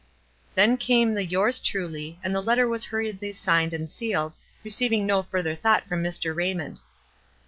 Then came the " Yours truly," and the letter was hurriedly signed and sealed, receiving no further thought from Mr. Raymond.